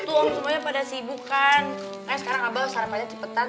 tuh om semuanya pada sibuk kan